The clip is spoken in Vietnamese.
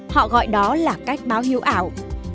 họ gọi đó là cách báo hiếu ảo